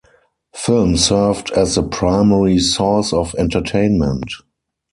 Film served as the primary source of entertainment.